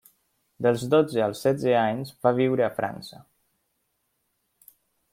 Dels dotze als setze anys va viure a França.